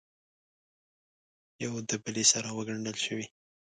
یو دبلې سره وګنډل شوې